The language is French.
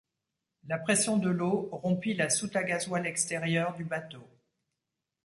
La pression de l'eau rompit la soute à gasoil extérieure du bateau.